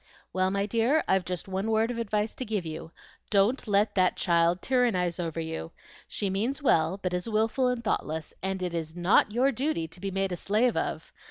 "Well, my dear, I've just one word of advice to give you. Don't let that child tyrannize over you. She means well, but is wilful and thoughtless, and it is NOT your duty to be made a slave of.